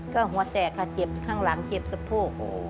ก็หัวแตกค่ะเจ็บข้างหลังเจ็บสะโพก